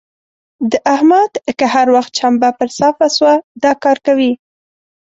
د احمد که هر وخت چمبه پر صافه سوه؛ دا کار کوي.